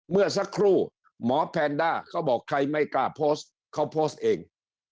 เมื่อสักครู่หมอแพนด้าเขาบอกใครไม่กล้าโพสต์เขาโพสต์เอง